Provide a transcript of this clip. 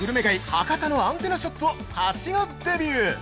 博多のアンテナショップをはしごデビュー！